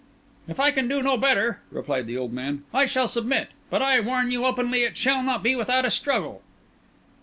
"If I can do no better," replied the old man, "I shall submit; but I warn you openly it shall not be without a struggle."